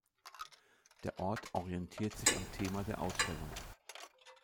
Der Ort orientiert sich am Thema der Ausstellung.